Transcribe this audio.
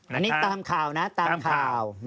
นี่ตามข่าวนะตามข่าว